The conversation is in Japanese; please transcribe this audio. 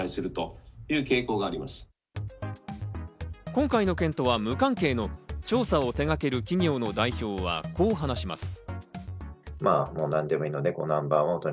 今回の件とは無関係の調査を手がける企業の代表は、こう話します。